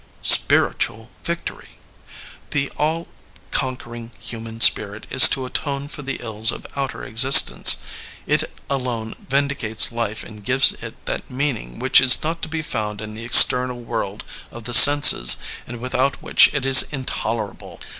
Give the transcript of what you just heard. Spiritual victory I The all conquering human spirit is to atone for the ills of outer existence. It alone vindicates life and gives it that meaning which is not to be found in the external world of the senses and without which it is intolerable.